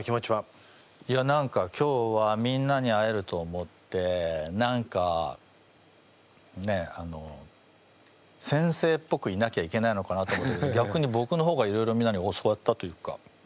何か今日はみんなに会えると思って何かねえ先生っぽくいなきゃいけないのかなと思ってたけどぎゃくにぼくの方がいろいろみんなに教わったというか。